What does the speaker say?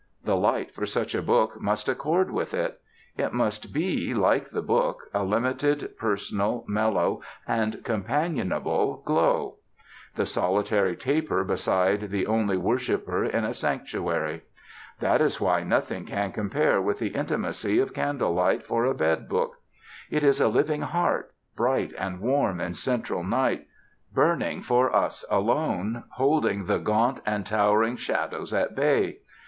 The light for such a book must accord with it. It must be, like the book, a limited, personal, mellow, and companionable glow; the solitary taper beside the only worshiper in a sanctuary. That is why nothing can compare with the intimacy of candle light for a bed book. It is a living heart, bright and warm in central night, burning for us alone, holding the gaunt and towering shadows at bay.